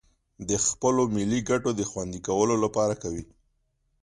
د خپلو ملي گټو د خوندي کولو لپاره کوي